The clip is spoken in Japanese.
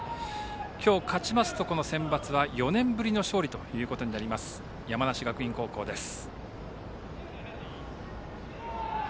今日、勝ちますとこのセンバツは４年ぶりの勝利になる山梨学院高校です。